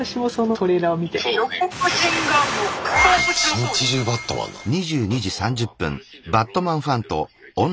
一日中バットマンなんだ。